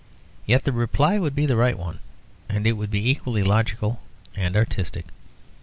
Yet the reply would be the right one; and would be equally logical and artistic.